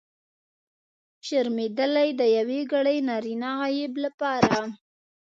شرمېدلی! د یوګړي نرينه غایب لپاره.